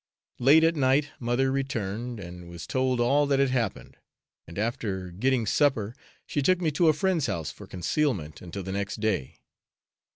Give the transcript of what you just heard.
Late at night mother returned, and was told all that had happened, and after getting supper, she took me to a friend's house for concealment, until the next day.